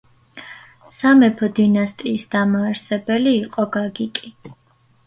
სამეფო დინასტიის დამაარსებელი იყო გაგიკი.